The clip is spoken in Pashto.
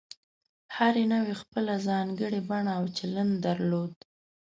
هرې نوعې خپله ځانګړې بڼه او چلند درلود.